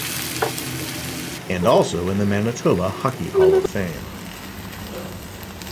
And also in the Manitoba Hockey Hall of Fame.